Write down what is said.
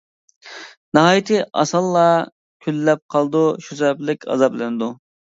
ناھايىتى ئاسانلا كۈنلەپ قالىدۇ، شۇ سەۋەبلىك ئازابلىنىدۇ.